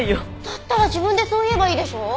だったら自分でそう言えばいいでしょう。